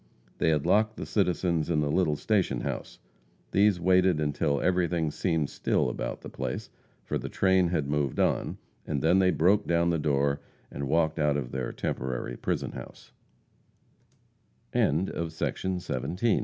They had locked the citizens in the little station house. These waited until everything seemed still about the place, for the train had moved on, and then they broke down the door and walked out of their temporary prison house. CHAPTER XLVIII. HUNTING CLUES.